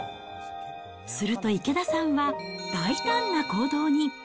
すると池田さんは、大胆な行動に。